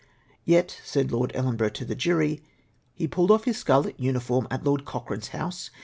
Yet, said Lord Ellenborougli to the jury, " He pulled off HIS SCARLET UNIFORM AT LORD CoCHRANE'S HOUSE.